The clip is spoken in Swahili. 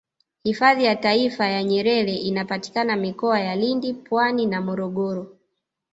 hifadhi ya taifa ya nyerere inapatikana mikoa ya lindi pwani na morogoro